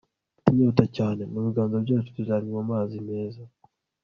mfite inyota cyane! mu biganza byacu tuzanywa amazi meza